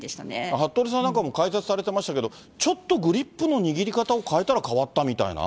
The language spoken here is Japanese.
服部さんなんかも解説されてましたけど、ちょっとグリップの握り方を変えたら変わったみたいな？